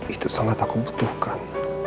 itu sangat aku butuhkan